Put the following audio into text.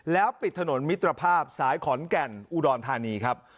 แล้วปิดถนนมิตรภาพสายขอนแก่นอุดรธานีครับ